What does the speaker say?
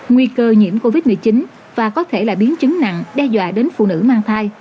nguy cơ nhiễm covid một mươi chín và có thể là biến chứng nặng đe dọa đến phụ nữ mang thai